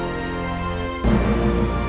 aku akan selalu mencintai kamu